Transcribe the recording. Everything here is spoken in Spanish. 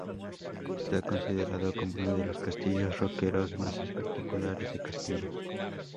Está considerado como uno de los castillos roqueros más espectaculares de Castilla.